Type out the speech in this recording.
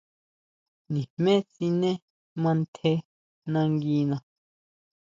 Nijmé siné mantjé nanguina.